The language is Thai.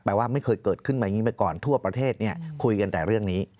ว่าไม่เคยเกิดขึ้นมาอย่างนี้มาก่อนทั่วประเทศคุยกันแต่เรื่องนี้